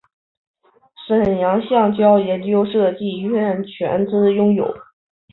沈阳橡胶研究设计院全资拥有。